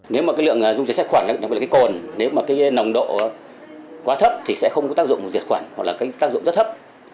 nếu dung dịch sát khuẩn có nồng độ quá thấp thì sẽ không có tác dụng diệt khuẩn hoặc tác dụng rất thấp